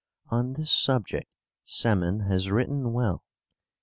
On this subject Semon has written well.